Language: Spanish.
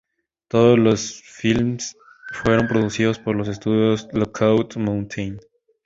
Todos los filmes fueron producidos por los estudios Lookout Mountain.